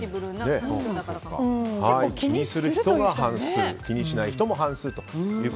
気にするという人が半数気にしない人も半数と。